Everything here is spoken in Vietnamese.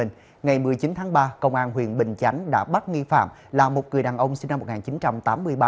ngày một mươi chín tháng ba công an huyện bình chánh đã bắt nghi phạm là một người đàn ông sinh năm một nghìn chín trăm tám mươi ba